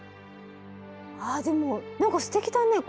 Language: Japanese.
ああでも何かすてきだね